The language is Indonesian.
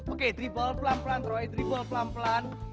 oke dribble pelan pelan troy dribble pelan pelan